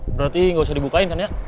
berarti nggak usah dibukain kan ya